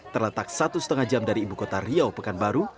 terletak satu lima jam dari ibu kota riau pekanbaru